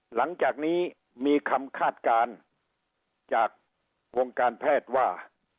หลังจากนี้มีคำคาดการณ์จากวงการแพทย์ว่า